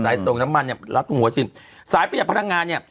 ไหนตรงน้ำมันเนี้ยรับหัวฉีดสายประหยัดพลังงานเนี้ย